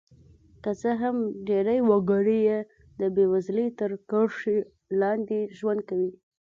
که څه هم ډېری وګړي یې د بېوزلۍ تر کرښې لاندې ژوند کوي.